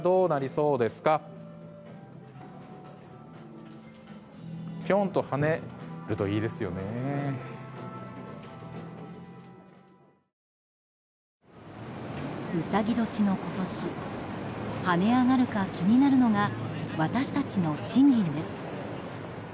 うさぎ年の今年跳ね上がるのか気になるのが私たちの賃金です。